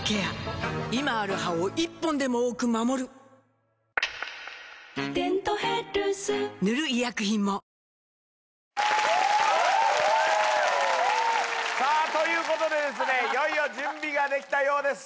今ある歯を１本でも多く守る「デントヘルス」塗る医薬品もさあ、ということでですね、いよいよ準備ができたようです。